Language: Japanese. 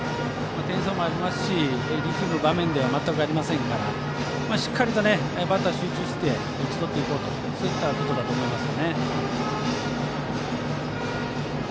点差もありますし、力む場面では全くありませんからしっかりとバッター集中して打ち取っていこうということだと思います。